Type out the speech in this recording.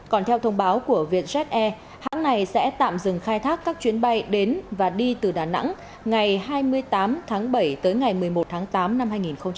còn theo thông báo của vietjet air hãng này sẽ tạm dừng khai thác các chuyến bay đến và đi từ đà nẵng ngày hai mươi tám tháng bảy tới ngày một mươi một tháng tám năm hai nghìn hai mươi